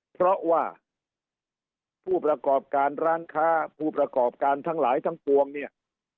เพราะว่าผู้ประกอบการร้านค้าผู้ประกอบการทั้งหลายทั้งปวงเนี่ย